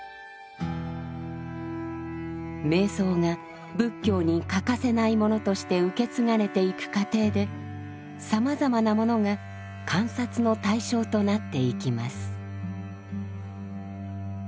瞑想が仏教に欠かせないものとして受け継がれていく過程でさまざまなものが観察の対象となっていきます。